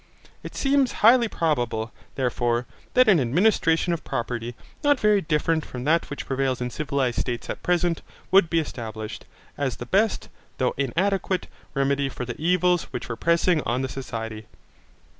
It seems highly probable, therefore, that an administration of property, not very different from that which prevails in civilized states at present, would be established, as the best, though inadequate, remedy for the evils which were pressing on the society.